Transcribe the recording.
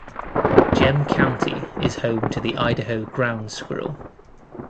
Gem County is home to the Idaho ground squirrel.